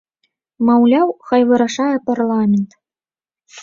Маўляў, хай вырашае парламент.